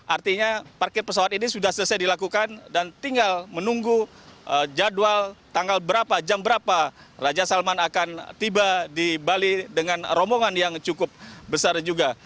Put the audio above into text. artinya parkir pesawat ini sudah selesai dilakukan dan tinggal menunggu jadwal tanggal berapa jam berapa raja salman akan tiba di bali dengan rombongan yang cukup besar juga